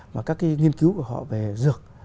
và các nghiên cứu của họ về dược